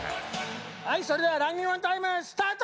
はいそれではランニングマンタイムスタート！